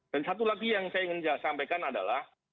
dan satu lagi yang ingin saya sampaikan adalah